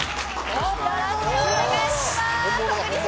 よろしくお願いします